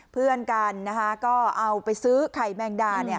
เพื่อนกันก็เอาไปซื้อไข่แมงดา